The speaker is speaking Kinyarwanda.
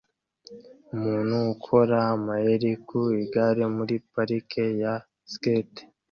Umuntu ukora amayeri ku igare muri parike ya skate